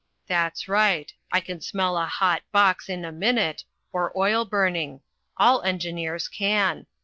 "That's right. I can smell a hot box in a minute, or oil burning. All engineers can.